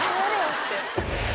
って。